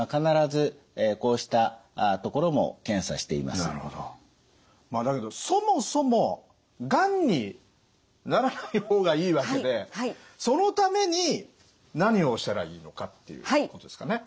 まあだけどそもそもがんにならない方がいいわけでそのために何をしたらいいのかっていうことですかね。